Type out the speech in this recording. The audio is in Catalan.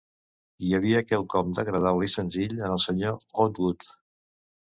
"Hi havia quelcom d'agradable i senzill en el Sr. Outwood."